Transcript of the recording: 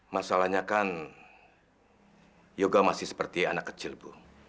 masalahnya kan yoga masih seperti anak kecil bu